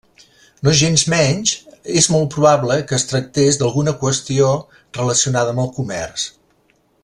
Nogensmenys, és molt probable que es tractés d'alguna qüestió relacionada amb el comerç.